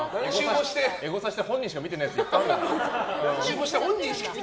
エゴサした本人しか見てないやついっぱいあるから。